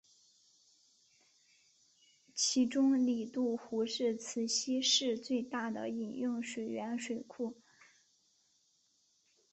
其中里杜湖是慈溪市最大的饮用水源水库。